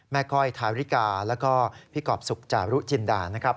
ก้อยทาริกาแล้วก็พี่กรอบสุขจารุจินดานะครับ